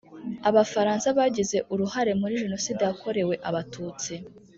abafaransa bagize uruhare muri jenoside yakorewe abatutsi